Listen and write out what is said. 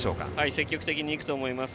積極的に行くと思います。